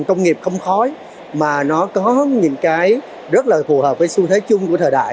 công nghiệp không khói mà nó có những cái rất là phù hợp với xu thế chung của thời đại